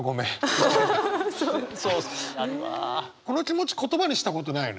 この気持ち言葉にしたことないよね？